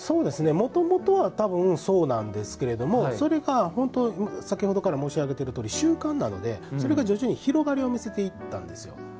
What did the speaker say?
もともとはそうなんですけれども、それが先ほどから申し上げているように習慣なので、それが徐々に広がりを見せていったんですよね。